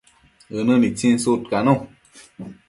ënë nitsin sudcanun